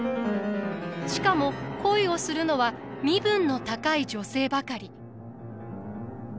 しかも恋をするのは身分の高い女性ばかり。